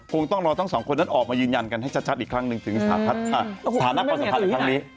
คงต้องรอทั้งสองคนนั้นออกมายืนยันกันให้ชัดอีกครั้งหนึ่งถึงสถานะประสับภาพที่ที่ไหน